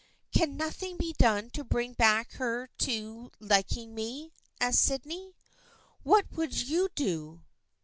"Can nothing be done to bring her back to liking me ?" asked Sydney. " What would you do?"